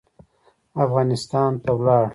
افغانستان ته ولاړ.